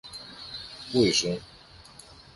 Πού ήσουν;